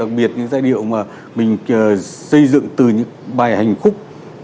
đặc biệt những giai điệu mà mình xây dựng từ những bài hành khúc